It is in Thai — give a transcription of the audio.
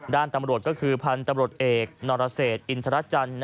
ด้านตำรวจก็คือพันธุ์ตำรวจเอกนรเศษอินทรจันทร์